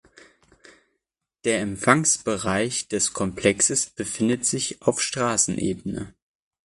Der Empfangsbereich des Komplexes befindet sich auf Straßenebene.